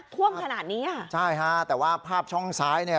ท่วมขนาดนี้อ่ะใช่ฮะแต่ว่าภาพช่องซ้ายเนี่ย